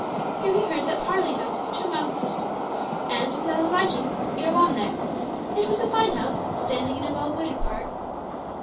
Here he heard that Parley House was two miles distant and, without alighting, drove on there. It was a fine house, standing in a well wooded park.